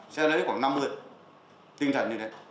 sẽ lấy khoảng năm mươi tinh thần như thế